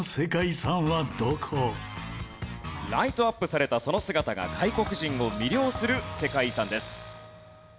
ライトアップされたその姿が外国人を魅了する世界遺産です。